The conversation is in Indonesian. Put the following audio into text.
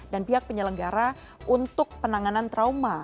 dan pihak penyelenggara untuk penanganan trauma